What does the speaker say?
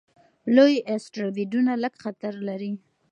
لوی اسټروېډونه لږ خطر لري.